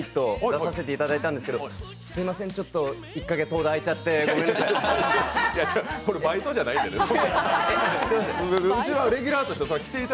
出させていただいたんですけど、すみません、ちょっと１カ月ほどあいちゃってごめんなさい。